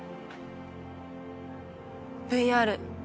ＶＲ。